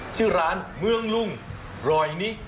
ชื่อร้านเมืองลุงรอยนี้